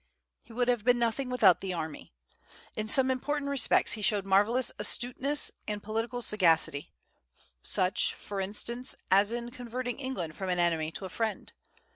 He would have been nothing without the army. In some important respects he showed marvellous astuteness and political sagacity, such, for instance, as in converting England from an enemy to a friend.